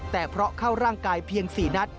แต่เพราะเข้าร่างกายเพียง๔นัด